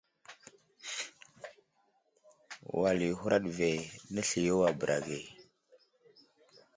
Wal yo i huraɗ ve, nəsliyo a bəra ge.